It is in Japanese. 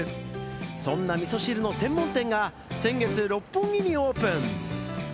そんな、みそ汁の専門店が先月、六本木にオープン。